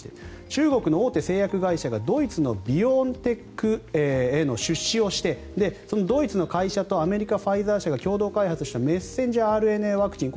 中国の大手製薬会社がドイツのビオンテックへの出資をしてドイツの会社とアメリカのファイザー社が共同開発したメッセンジャーＲＮＡワクチン。